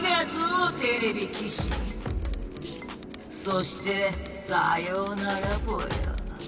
そしてさようならぽよ。